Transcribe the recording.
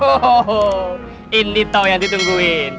oh ini tau yang ditungguin